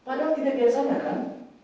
padahal tidak biasa ya kan